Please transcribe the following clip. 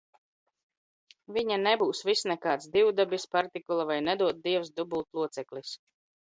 Vi?a neb?s vis nek?ds divdabis, partikula vai, nedod Dievs, dubultloceklis.